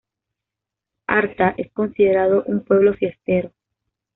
Artá es considerado un pueblo fiestero.